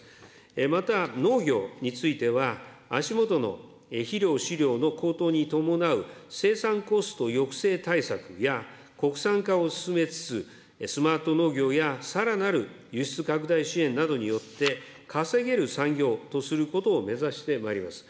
また、農業については、足下の肥料、飼料の高騰に伴う生産コスト抑制対策や、国産化を進めつつ、スマート農業や、さらなる輸出拡大支援などによって、稼げる産業とすることを目指してまいります。